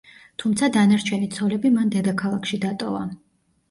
თუმცა დანარჩენი ცოლები მან დედაქალაქში დატოვა.